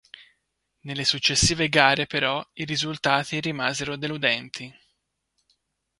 Nelle successive gare, però, i risultati rimasero deludenti.